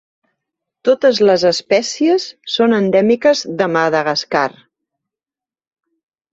Totes les espècies són endèmiques de Madagascar.